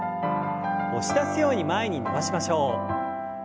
押し出すように前に伸ばしましょう。